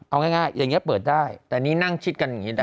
เอาง่ายอย่างนี้เปิดได้แต่นี่นั่งชิดกันอย่างนี้ได้